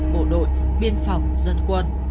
bộ đội biên phòng dân quân